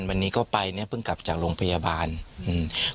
วันนี้ก็ไปเนี้ยเพิ่งกลับจากโรงพยาบาลอืม